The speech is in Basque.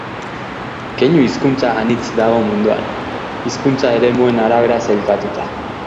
Keinu hizkuntza anitz dago munduan, hizkuntza eremuen arabera sailkatuta.